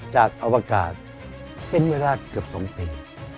อวกาศเป็นเวลาเกือบ๒ปี